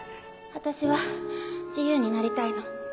私は自由になりたいの。